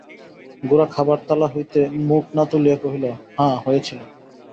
গোরা খাবার থালা হইতে মুখ না তুলিয়া কহিল, হাঁ, হয়েছিল।